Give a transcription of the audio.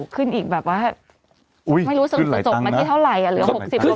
ขึ้นอีกแบบว่าอุ้ยไม่รู้สึกจบมาที่เท่าไหร่อ่ะเหลือหกสิบประมาณ